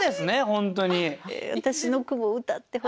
本当に。